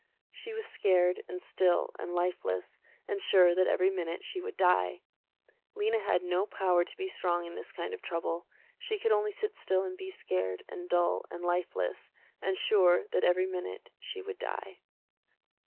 She was scared and still and lifeless, and sure that every minute she would die. Lena had no power to be strong in this kind of trouble, she could only sit still and be scared, and dull, and lifeless, and sure that every minute she would die.